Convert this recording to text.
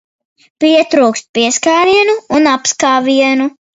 Pietrūkst pieskārienu un apskāvienu.